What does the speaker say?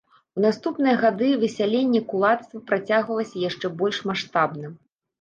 У наступныя гады высяленне кулацтва працягвалася яшчэ больш маштабна.